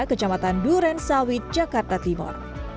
kecamatan durensawi jakarta timur